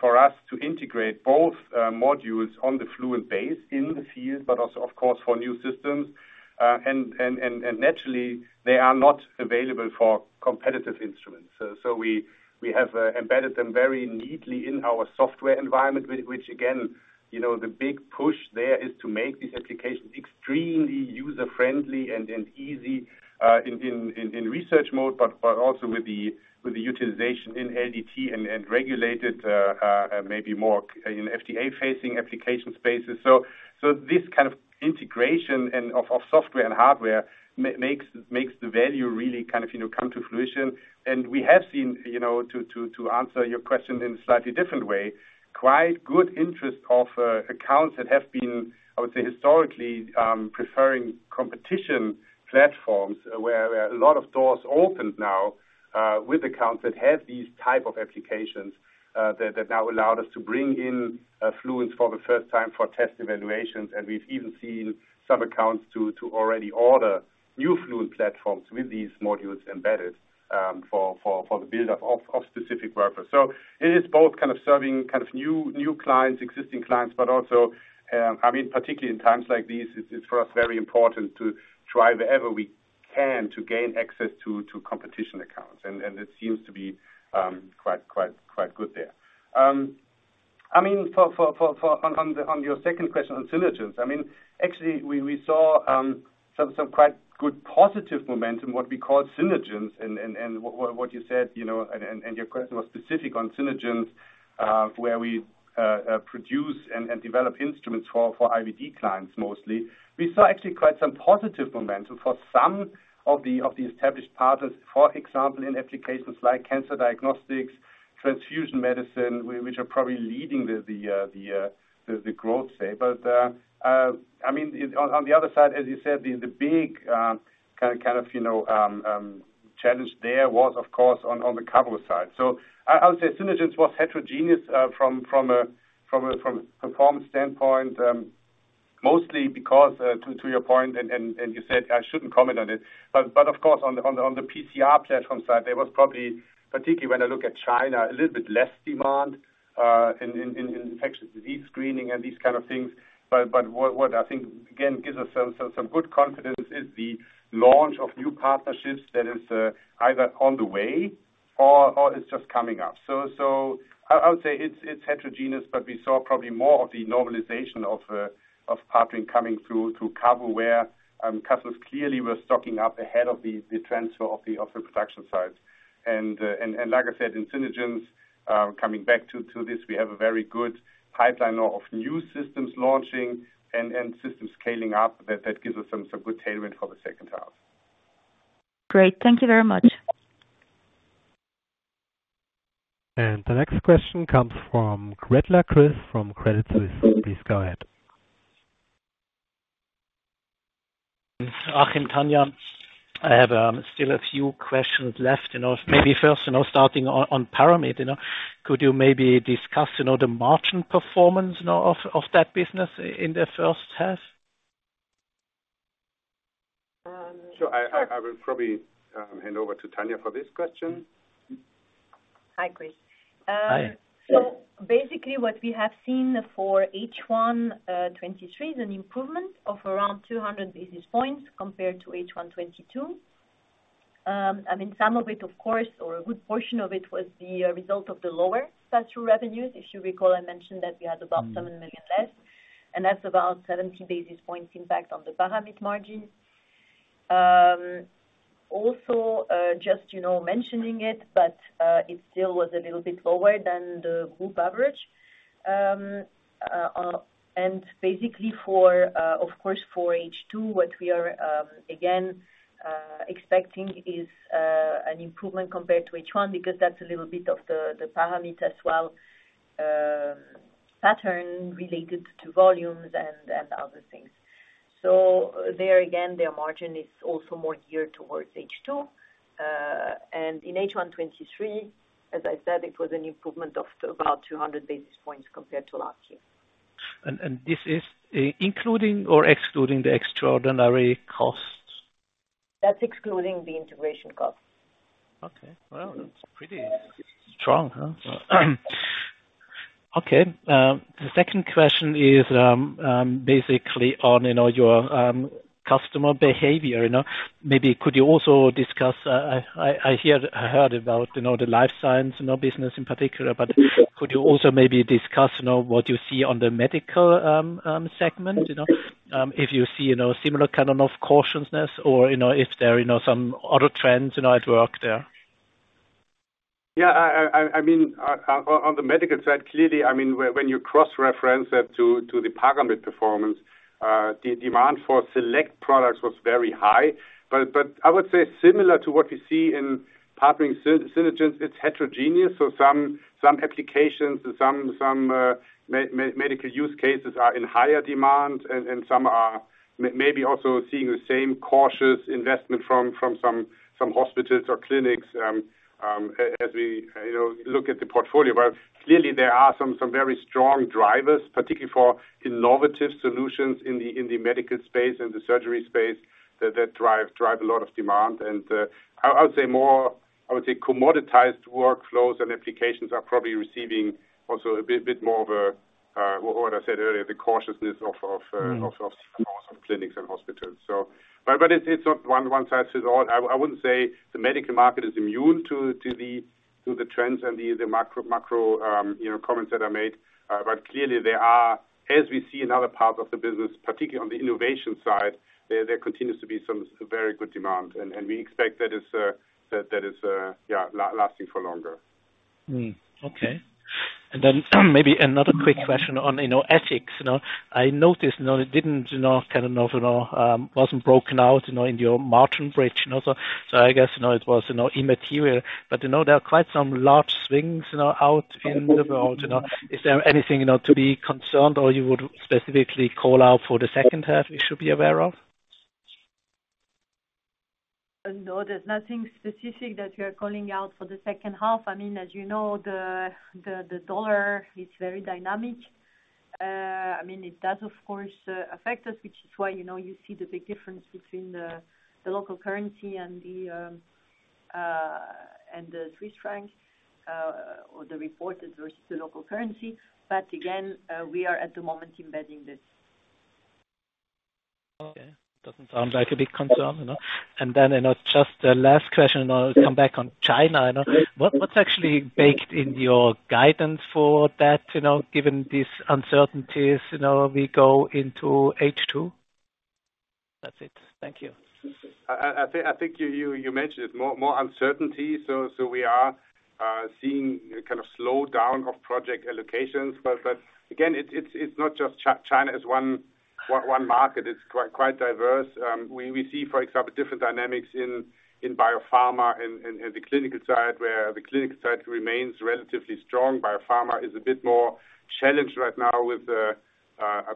for us to integrate both modules on the Fluent base in the field, but also, of course, for new systems. Naturally, they are not available for competitive instruments. We have embedded them very neatly in our software environment, which again, you know, the big push there is to make these applications extremely user-friendly and easy, in research mode, but also with the utilization in LDT and regulated, maybe more in FDA-facing application spaces. This kind of integration of software and hardware makes the value really kind of, you know, come to fruition. We have seen, you know, to answer your question in a slightly different way, quite good interest of accounts that have been, I would say, historically, preferring competition platforms, where a lot of doors opened now, with accounts that have these type of applications, that, that now allowed us to bring in Fluents for the first time for test evaluations. We've even seen some accounts to, to already order new Fluent platforms with these modules embedded for the build-up of specific purpose. It is both kind of serving, kind of new, new clients, existing clients, but also, I mean, particularly in times like these, it's for us, very important to try wherever we can to gain access to, to competition accounts, and, and it seems to be quite, quite, quite good there. I mean, for, on your second question on Synergence, I mean, actually, we saw some quite good positive momentum in what we call Synergence. And what you said, you know your question was specific on Synergence, where we, produce and develop instruments for IVD clients mostly. We saw actually quite some positive momentum for some of the established partners, for example, in applications like cancer diagnostics, transfusion medicine, which are probably leading the growth rate. I mean, on the other side, as you said, the big, kind of, you know, challenge there was, of course, on the Cavro side. I would say Synergence was heterogeneous, from a performance standpoint, mostly because, to your point, and you said I shouldn't comment on it, but, but of course, on the PCR platform side, there was probably, particularly when I look at China, a little bit less demand, in infectious disease screening and these kind of things. What I think, again, gives us some, some good confidence is the launch of new partnerships that is, either on the way or is just coming up. I would say it's heterogeneous, but we saw probably more of the normalization of partnering coming through Cavro, where customers clearly were stocking up ahead of the transfer of the production sites. And like I said, in Synergence, coming back to this, we have a very good pipeline of new systems launching and systems scaling up that, that gives us some good tailwind for the second half. Great. Thank you very much. The next question comes from Chris Gretler from Credit Suisse. Please go ahead. Achim, Tania, I have still a few questions left, you know, maybe first, you know, starting on Paramit, you know. Could you maybe discuss, you know, the margin performance now of that business in the first half? I will probably hand over to Tania for this question. Hi, Chris. Hi. Basically, what we have seen for H1 2023 is an improvement of around 200 basis points compared to H1 2022. I mean, some of it, of course, or a good portion of it was the result of the lower statue revenues. If you recall, I mentioned that we had about 7 million less, and that's about 70 basis points impact on the Paramit margins. Also, just, you know, mentioning it, but, it still was a little bit lower than the group average. Of course, for H2, what we are again expecting is an improvement compared to H1, because that's a little bit of the parameter as well, pattern related to volumes and other things. There, their margin is also more geared towards H2. In H1 2023, as I said, it was an improvement of about 200 basis points compared to last year. This is including or excluding the extraordinary costs? That's excluding the integration costs. Okay. Well, that's pretty strong, huh? Okay, the second question is, basically on, you know, your, customer behavior, you know. Maybe could you also discuss, I heard about, you know, the Life Science, you know, business in particular could you also maybe discuss, you know, what you see on the Medical segment, you know, if you see, you know, similar kind of cautiousness or, you know, if there are, you know, some other trends, you know, at work there? Yeah, I mean, on the medical side, clearly, I mean, when you cross-reference it to the Paramit performance, the demand for select products was very high. I would say similar to what you see in partnering Synergence, it's heterogeneous, so some applications and some, some medical use cases are in higher demand, and some are maybe also seeing the same cautious investment from, from some, some hospitals or clinics, as we, you know, look at the portfolio. Clearly there are some, some very strong drivers, particularly for innovative solutions in the medical space and the surgery space, that drive a lot of demand. I would say more, I would say commoditized workflows and applications are probably receiving also a bit more of a, what I said earlier, the cautiousness of clinics and hospitals. But it's not one size fits all. I wouldn't say the medical market is immune to the trends and the macro, you know, comments that I made. But clearly there are, as we see in other parts of the business, particularly on the innovation side, there continues to be some very good demand, and we expect that it's, yeah, lasting for longer. Okay. Then maybe another quick question on, you know, FX, you know. I noticed, you know, it didn't, you know, kind of, you know, wasn't broken out, you know, in your margin bridge, you know, so I guess, you know, it was, you know, immaterial. There are quite some large swings, you know, out in the world, you know. Is there anything, you know, to be concerned, or you would specifically call out for the second half we should be aware of? No, there's nothing specific that we are calling out for the second half. I mean, as you know, the US dollar is very dynamic. I mean, it does, of course, affect us, which is why, you know, you see the big difference between the local currency and the, and the Swiss franc, or the reported versus the local currency. Again, we are at the moment embedding this. Okay. Doesn't sound like a big concern, you know. Then, you know, just a last question, I'll come back on China. You know, what's actually baked in your guidance for that, you know, given these uncertainties, you know, we go into H2? That's it. Thank you. I think you mentioned it, more uncertainty. We are seeing a kind of slowdown of project allocations. Again, it's not just China as one market. It's quite diverse. We see, for example, different dynamics in biopharma and the clinical side, where the clinical side remains relatively strong. Biopharma is a bit more challenged right now with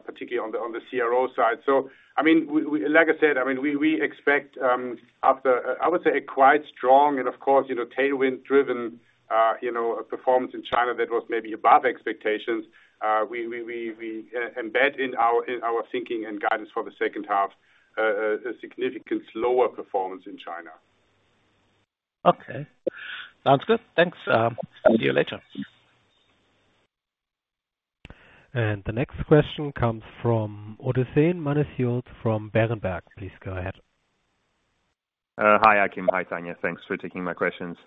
particularly on the CRO side. I mean, like I said, I mean, we expect, after, I would say, a quite strong and of course, you know, tailwind-driven, you know, performance in China that was maybe above expectations, we, embed in our thinking and guidance for the second half, a significant slower performance in China. Okay. Sounds good. Thanks, talk to you later. The next question comes from [audio disortion] from Berenberg. Please go ahead. Hi, Achim. Hi, Tania. Thanks for taking my questions.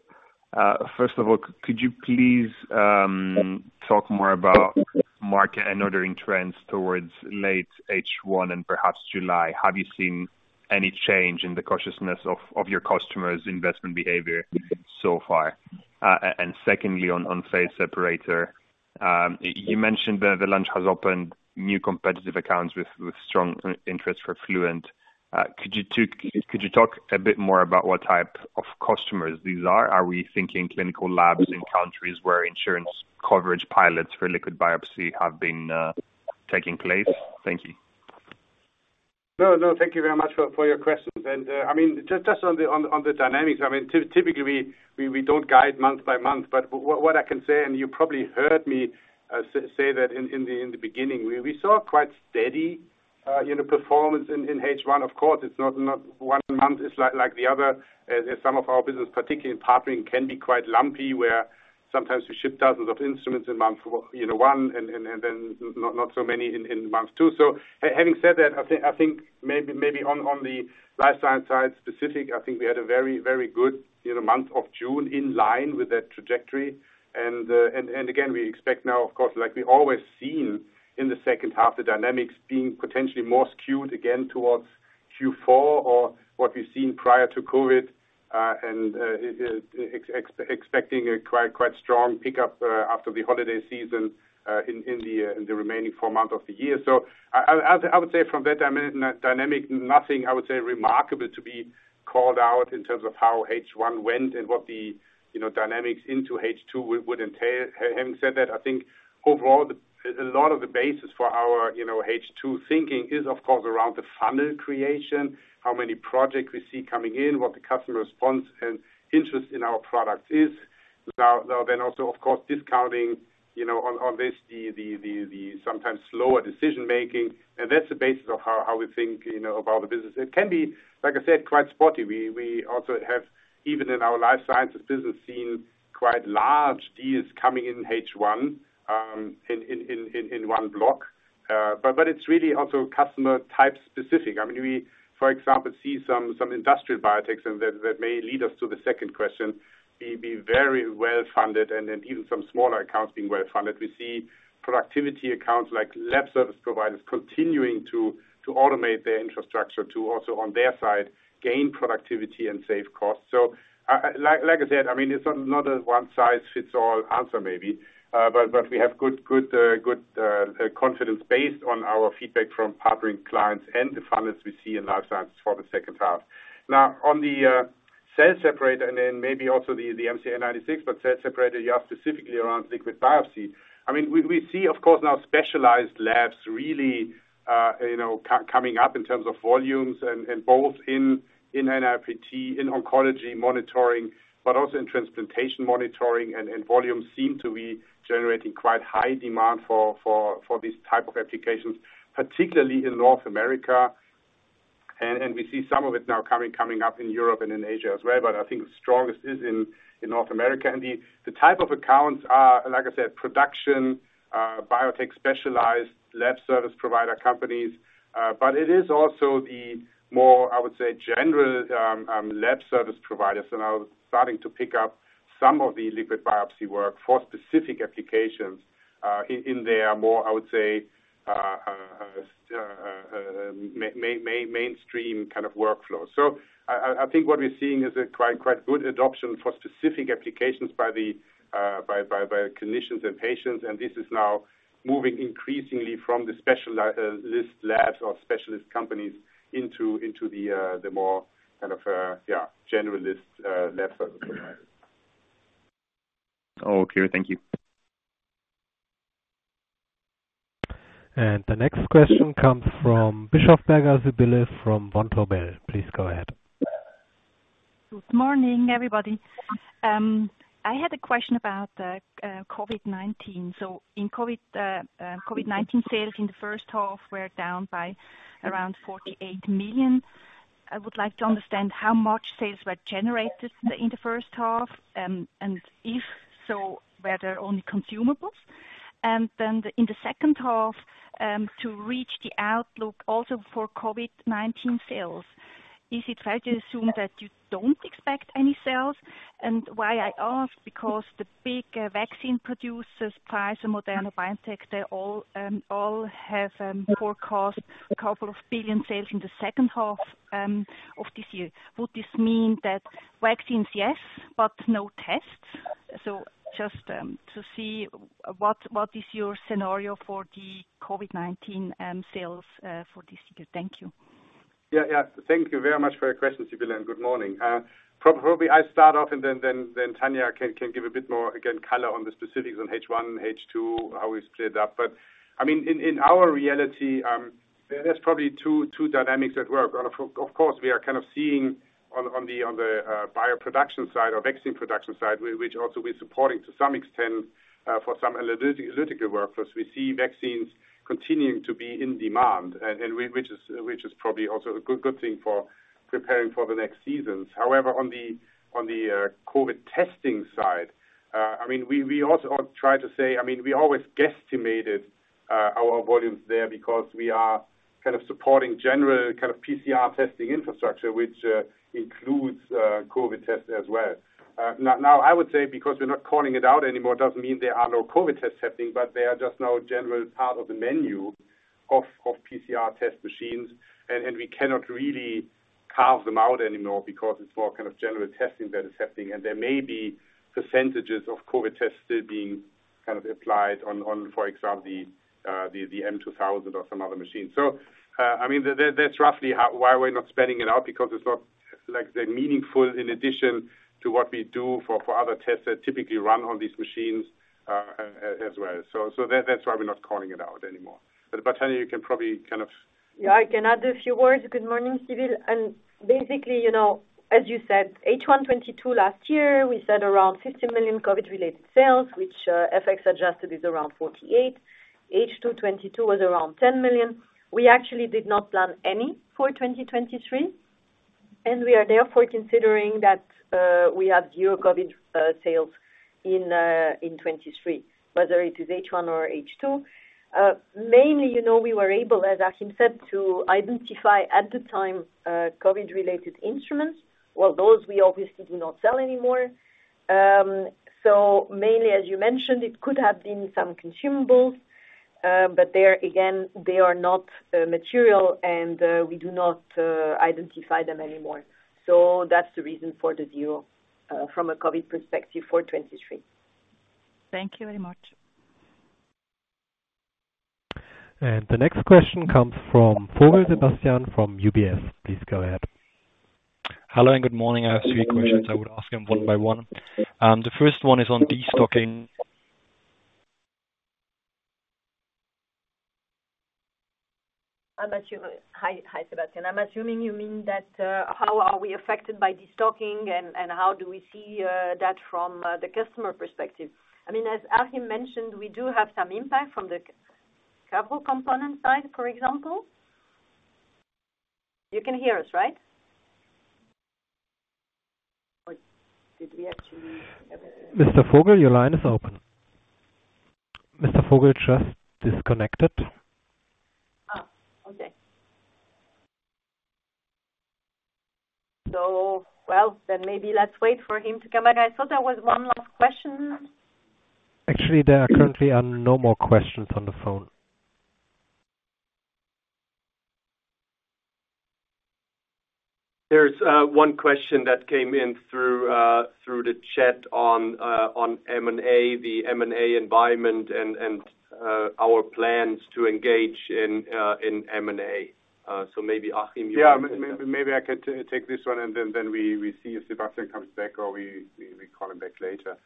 First of all, could you please talk more about market and ordering trends towards late H1 and perhaps July? Have you seen any change in the cautiousness of your customers' investment behavior so far? Secondly, on Phase Separator, you mentioned the launch has opened new competitive accounts with strong interest for Fluent. Could you talk a bit more about what type of customers these are? Are we thinking clinical labs in countries where insurance coverage pilots for liquid biopsy have been taking place? Thank you. No, thank you very much for your questions. I mean, just on the on dynamics, I mean, typically, we don't guide month-by-month, but what, what I can say, and you probably heard me, say that in the beginning, we saw quite steady, you know, performance in H1. Of course, it's not one month is like, like the other, as some of our business, particularly in partnering, can be quite lumpy, where sometimes we ship thousands of instruments in month, you know, one, and, and, and then not so many in month two. Having said that, I think maybe on the life science side specific, I think we had a very, very good, you know, month of June in line with that trajectory. Again, we expect now, of course, like we always seen in the second half, the dynamics being potentially more skewed again towards Q4 or what we've seen prior to COVID. Expecting a quite, quite strong pickup after the holiday season in the remaining four months of the year. I would say from that dynamic, nothing, I would say, remarkable to be called out in terms of how H1 went and what the, you know, dynamics into H2 would, would entail. Having said that, I think overall, the, a lot of the basis for our, you know, H2 thinking is, of course, around the funnel creation, how many projects we see coming in, what the customer response and interest in our product is. Also, of course, discounting, you know, on this, the sometimes slower decision-making, and that's the basis of how, how we think, you know, about the business. It can be, like I said, quite spotty. We also have, even in our Life Sciences business, seen quite large deals coming in H1, in one block. It's really also customer type specific. I mean, we, for example, see some, some industrial biotechs, and that, that may lead us to the second question, be, be very well funded, and then even some smaller accounts being well funded. We see productivity accounts like lab service providers continuing to, to automate their infrastructure to also, on their side, gain productivity and save costs. Like, like I said, I mean, it's not a one-size-fits-all answer, maybe, but we have good, confidence based on our feedback from partnering clients and the funnels we see in life sciences for the second half. On the, Phase Separator, and then maybe also the, the MCA 96, but Phase Separator, you have specifically around liquid biopsy. I mean, we see, of course, now specialized labs really, you know, coming up in terms of volumes and, and both in NIPT, in oncology monitoring, but also in transplantation monitoring, and volumes seem to be generating quite high demand for these type of applications, particularly in North America. We see some of it now coming, coming up in Europe and in Asia as well, but I think the strongest is in North America. The type of accounts are, like I said, production, biotech, specialized lab service provider companies, but it is also the more, I would say, general lab service providers, and are starting to pick up some of the liquid biopsy work for specific applications, in their more, I would say, mainstream kind of workflow. I think what we're seeing is a quite, quite good adoption for specific applications by clinicians and patients, and this is now moving increasingly from the specialist labs or specialist companies into, into the more kind of generalist lab service providers. All clear. Thank you. The next question comes from Bischofberger Sibylle from Vontobel. Please go ahead. Good morning, everybody. I had a question about the COVID-19. In COVID-19, sales in the first half were down by around 48 million. I would like to understand how much sales were generated in the first half, and if so, were there only consumables? Then in the second half, to reach the outlook also for COVID-19 sales, is it fair to assume that you don't expect any sales? Why I ask, because the big vaccine producers, Pfizer, Moderna, BioNTech, they all have forecast 2 billion sales in the second half of this year. Would this mean that vaccines, yes, but no tests? Just to see what is your scenario for the COVID-19 sales for this year. Thank you. Yeah, yeah. Thank you very much for your question, Sibylle, and good morning. Probably I start off and then Tania can give a bit more, again, color on the specifics on H1 and H2, how we split up. I mean, in our reality, there's probably two dynamics at work. Of course, we are kind of seeing on the bioproduction side or vaccine production side, which also we're supporting to some extent, for some analytical workers. We see vaccines continuing to be in demand, and which is probably also a good, good thing for preparing for the next seasons. On the COVID testing side, I mean, we also try to say-- I mean, we always guesstimated our volumes there because we are kind of supporting general kind of PCR testing infrastructure, which includes COVID tests as well. Now, now, I would say, because we're not calling it out anymore, doesn't mean there are no COVID tests happening, but they are just now a general part of the menu of PCR test machines, and we cannot really carve them out anymore because it's more kind of general testing that is happening. There may be percentages of COVID tests still being kind of applied on, for example, the m2000 or some other machines. I mean, that, that's roughly why we're not spending it out, because it's not, like I said, meaningful in addition to what we do for other tests that typically run on these machines, as, as well. That why we're not calling it out anymore. Tania, you can probably. Yeah, I can add a few words. Good morning, Sibylle. Basically, you know, as you said, H1 2022 last year, we said around 50 million COVID-related sales, which, FX adjusted, is around 48 million. H2 2022 was around 10 million. We actually did not plan any for 2023, and we are therefore considering that we have zero COVID sales in 2023, whether it is H1 or H2. Mainly, you know, we were able, as Achim said, to identify at the time, COVID-related instruments. Well, those we obviously do not sell anymore. So mainly, as you mentioned, it could have been some consumables, but they are, again, they are not material and we do not identify them anymore. That's the reason for the view from a COVID perspective for 2023. Thank you very much. The next question comes from Vogel Sebastian from UBS. Please go ahead. Hello, good morning. I have three questions I would ask them one by one. The first one is on destocking. Hi, Sebastian. I'm assuming you mean that, how are we affected by destocking, and how do we see, that from, the customer perspective? I mean, as Achim mentioned, we do have some impact from the Cavro component side, for example. You can hear us, right? Or did we actually. Mr. Vogel, your line is open. Mr. Vogel just disconnected. Oh, okay. Well, maybe let's wait for him to come back. I thought there was one last question. Actually, there are currently no more questions on the phone. There's one question that came in through the chat onM&A, the M&A environment and, and our plans to engage in, in M&A. So maybe Achim- Yeah, may- maybe I can take this one, then, then we, we see if Sebastian comes back, or we, we call him back later.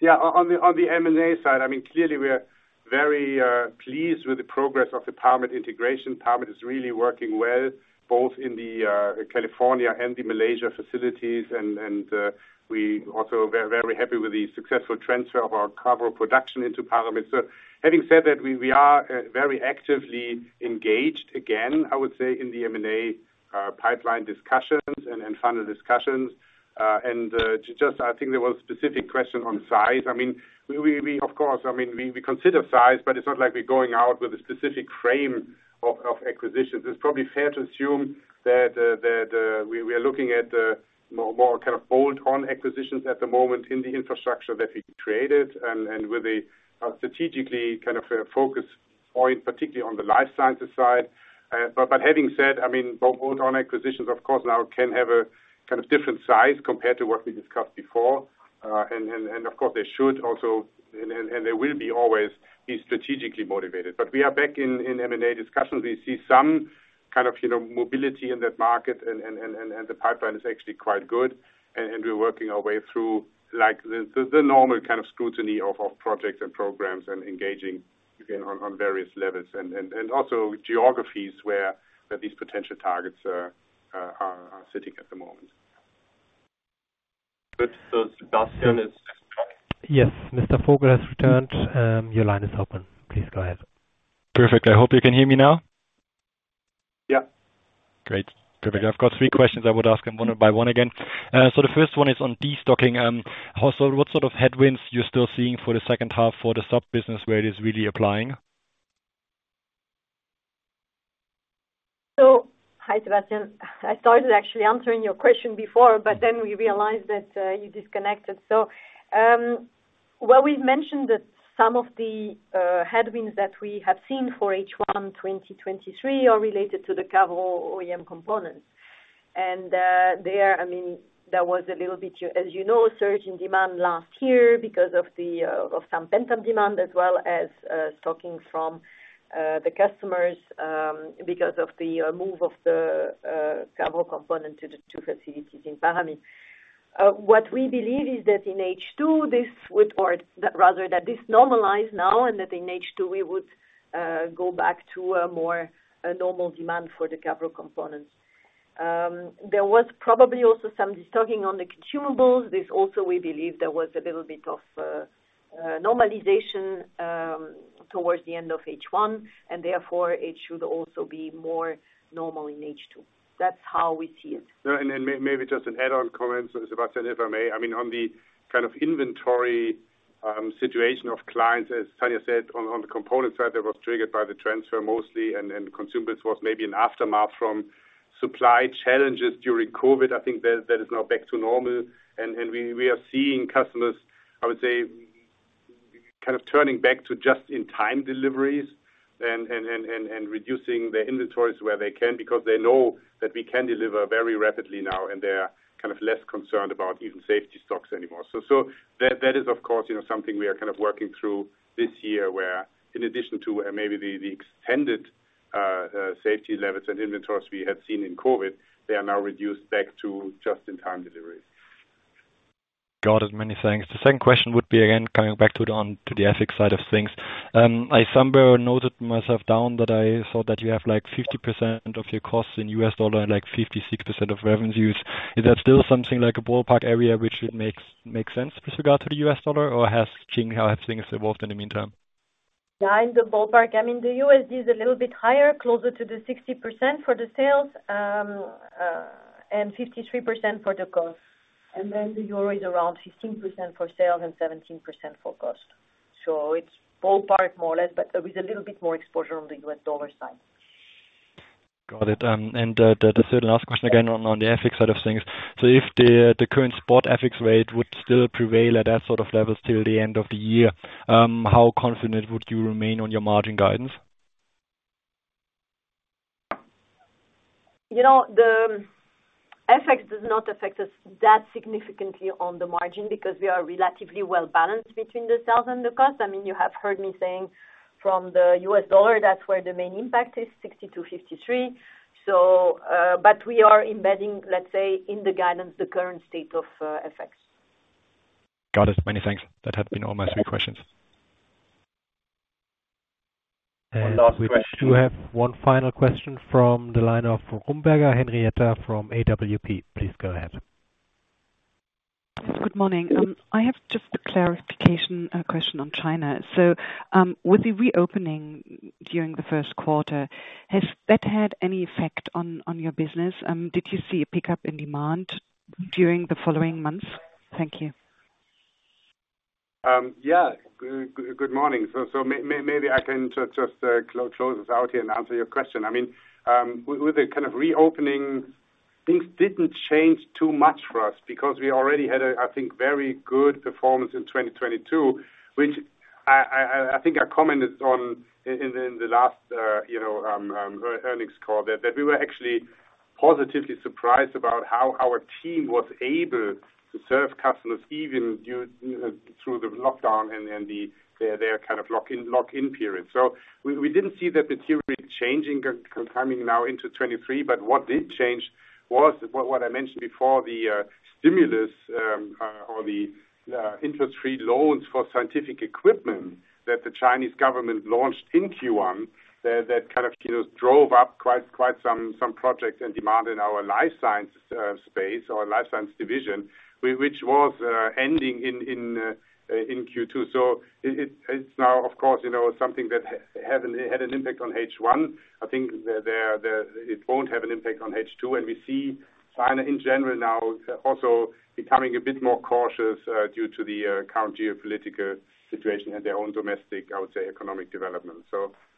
Yeah, on the M&A side, I mean, clearly, we are very pleased with the progress of the Paramit integration. Paramit is really working well, both in the California and the Malaysia facilities, and we also very, very happy with the successful transfer of our Cavro production into Paramit. Having said that, we are very actively engaged, again, I would say, in the M&A pipeline discussions and final discussions. Just I think there was a specific question on size. I mean, we of course, I mean, we consider size, but it's not like we're going out with a specific frame of acquisitions. It's probably fair to assume that we are looking at more, more kind of bolt-on acquisitions at the moment in the infrastructure that we created and with a strategically kind of a focus point, particularly on the life sciences side. Having said, I mean, both bolt-on acquisitions, of course, now can have a kind of different size compared to what we discussed before. Of course, they should also, and they will be always be strategically motivated. We are back in M&A discussions. We see some kind of, you know, mobility in that market, and the pipeline is actually quite good. We're working our way through, like, the normal kind of scrutiny of projects and programs and engaging, again, on various levels and also geographies where, that these potential targets are sitting at the moment. Sebastian is back. Yes, Mr. Vogel has returned. Your line is open. Please go ahead. Perfect. I hope you can hear me now? Yeah. Great. Perfect. I've got three questions I would ask, and one by one again. The first one is on destocking. Also what sort of headwinds you're still seeing for the second half for the sub-business where it is really applying? Hi, Sebastian. I started actually answering your question before. Then we realized that you disconnected. Well, we've mentioned that some of the headwinds that we have seen for H1 2023 are related to the Cavro OEM components. There, I mean, there was a little bit, as you know, surge in demand last year because of the of some pent-up demand, as well as stocking from the customers because of the move of the Cavro component to the two facilities in Paramit. What we believe is that in H2, this would, or rather, that this normalize now, and that in H2, we would go back to a more, a normal demand for the Cavro components. There was probably also some destocking on the consumables. This also, we believe there was a little bit of normalization towards the end of H1, and therefore, it should also be more normal in H2. That's how we see it. Yeah, maybe just an add-on comment, Sebastian, if I may. I mean, on the kind of inventory situation of clients, as Tania said, on the component side, that was triggered by the transfer mostly, consumers was maybe an aftermath from supply challenges during COVID. I think that is now back to normal, we are seeing customers, I would say, kind of turning back to just-in-time deliveries and reducing their inventories where they can, because they know that we can deliver very rapidly now, they are kind of less concerned about even safety stocks anymore. so that is, of course, you know, something we are kind of working through this year, where in addition to maybe the, the extended, safety levels and inventories we have seen in COVID, they are now reduced back to just-in-time deliveries. Got it. Many thanks. The second question would be, again, coming back to the ethics side of things. I somewhere noted myself down that I saw that you have, like, 50% of your costs in US dollar and like 56% of revenues. Is that still something like a ballpark area which it makes sense with regard to the U.S. dollar, or how have things evolved in the meantime? Yeah, in the ballpark. I mean, the USD is a little bit higher, closer to the 60% for the sales, and 53% for the cost. The EUR is around 15% for sales and 17% for cost. It's ballpark, more or less, but there is a little bit more exposure on the U.S. dollar side. Got it. The third and last question again on, on the FX side of things. If the, the current spot FX rate would still prevail at that sort of level till the end of the year, how confident would you remain on your margin guidance? You know, the FX does not affect us that significantly on the margin because we are relatively well-balanced between the sales and the cost. I mean, you have heard me saying from the U.S. dollar, that's where the main impact is, 62, 53. But we are embedding, let's say, in the guidance, the current state of FX. Got it. Many thanks. That had been all my three questions. We do have one final question from the line of Henriette Rumberger from AWP. Please go ahead. Good morning. I have just a clarification question on China. With the reopening during the first quarter, has that had any effect on your business? Did you see a pickup in demand during the following months? Thank you. Yeah. Good, good morning. Maybe I can just close, close us out here and answer your question. I mean, with the kind of reopening, things didn't change too much for us because we already had a, I think, very good performance in 2022, which I think I commented on in the last, you know, earnings call, that we were actually positively surprised about how our team was able to serve customers even during through the lockdown and their kind of lock in, lock-in period. We, we didn't see that the team is changing coming now into 2023, but what did change was what I mentioned before, the stimulus, or the interest-free loans for scientific equipment that the Chinese government launched in Q1. That kind of, you know, drove up quite, quite some, some projects and demand in our life science space or life science division, which was ending in Q2. It's now, of course, you know, something that haven't had an impact on H1. I think it won't have an impact on H2, and we see China in general now also becoming a bit more cautious due to the current geopolitical situation and their own domestic, I would say, economic development.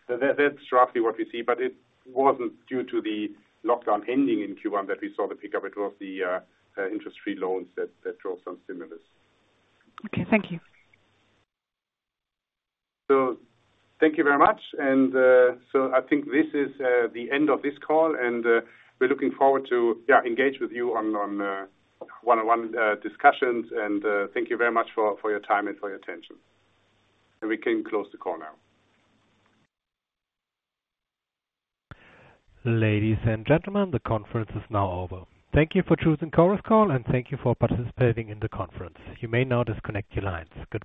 That's roughly what we see, but it wasn't due to the lockdown ending in Q1 that we saw the pickup. It was the interest-free loans that, that drove some stimulus. Okay, thank you. Thank you very much. I think this is the end of this call, and we're looking forward to, yeah, engage with you on one-on-one discussions. Thank you very much for your time and for your attention. We can close the call now. Ladies and gentlemen, the conference is now over. Thank you for choosing Chorus Call, and thank you for participating in the conference. You may now disconnect your lines. Goodbye.